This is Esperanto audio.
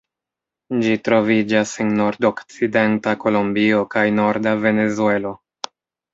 Ĝi troviĝas en nordokcidenta Kolombio kaj norda Venezuelo.